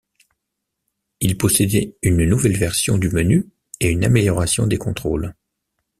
Il possédait une nouvelle version du menu et une amélioration des contrôles.